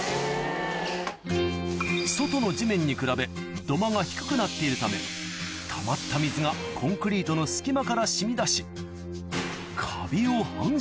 外の地面に比べ土間が低くなっているためたまった水がコンクリートの隙間から染み出し